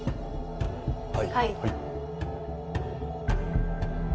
はい